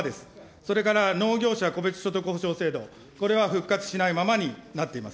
それから農業者戸別所得補償制度、これは復活しないままになっています。